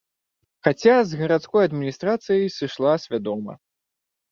Хаця з гарадской адміністрацыі сышла свядома.